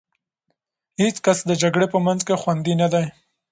هېڅ کس د جګړې په منځ کې خوندي نه دی.